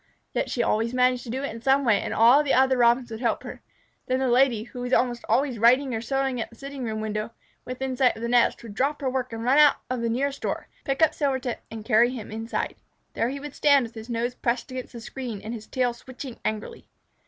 Yet she always managed to do it in some way, and all the other Robins would help her. Then the Lady, who was almost always writing or sewing at the sitting room window, within sight of the nest, would drop her work and run out the nearest door, pick up Silvertip, and carry him inside. There he would stand, with his nose pressed against the screen and his tail switching angrily.